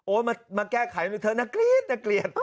โอ๊ะมาแก้ไขมันนี่เธอนักเกลียดนักเกลียด